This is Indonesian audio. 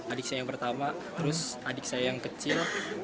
adik saya yang pertama terus adik saya yang kecil